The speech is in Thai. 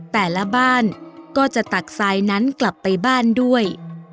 แต่ละบ้านก็จะตักทรายนั้นกลับไปบ้านด้วย